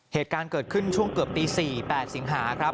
เหตุการณ์เกิดขึ้นช่วงเกือบตี๔๘สิงหาครับ